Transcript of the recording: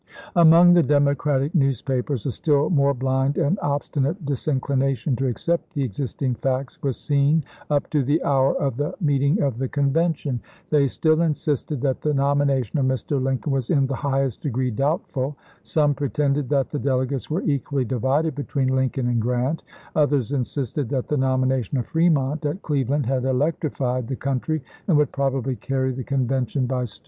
Among the Democratic newspapers a still more blind and obstinate disinclination to accept the ex isting facts was seen up to the hour of the meeting of the Convention. They still insisted that the nomi nation of Mr. Lincoln was in the highest degree doubtful ; some pretended that the delegates were equally divided between Lincoln and Grant ; others insisted that the nomination of Fremont at Cleve land had electrified the country and would prob ably carry the Convention by storm.